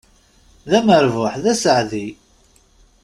D amerbuḥ, d asaɛdi!